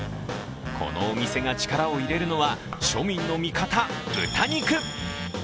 このお店が力を入れるのは庶民の味方、豚肉。